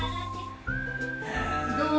どう？